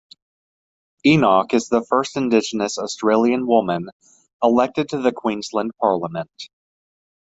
Enoch is the first Indigenous Australian woman elected to the Queensland parliament.